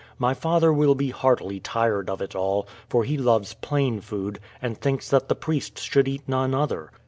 My father will be heartily tired of it all; for he loves plain food, and thinks that the priests should eat none other.